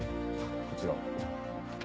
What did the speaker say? こちらを。